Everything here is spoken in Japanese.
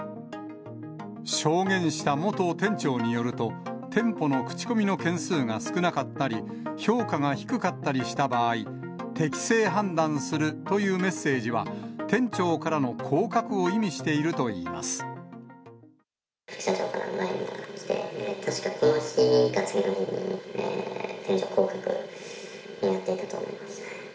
証言した元店長によると、店舗の口コミの件数が少なかったり、評価が低かったりした場合、適性判断するというメッセージは、店長からの降格を意味していると副社長からＬＩＮＥが来て、確かこの日か次の日に店長降格になっていたと思います。